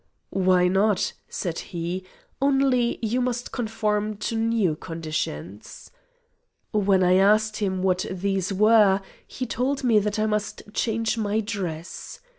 "Why not?" said he, "only you must conform to new conditions." When I asked him what these were, he told me that I must change my dress.